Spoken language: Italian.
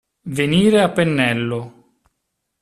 Venire a pennello.